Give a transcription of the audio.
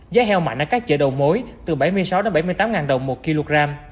giá heo mạnh ở các chợ đầu mối từ bảy mươi sáu bảy mươi tám đồng một kg